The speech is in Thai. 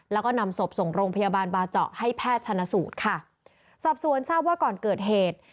แล้วก็นำศพส่งโรงพยาบาลบาเจาะให้แพทย์ชนะสูตรค่ะสอบสวนทราบว่าก่อนเกิดเหตุ